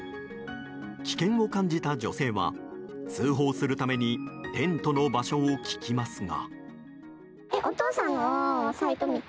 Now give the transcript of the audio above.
危険を感じた女性は通報するためにテントの場所を聞きますが。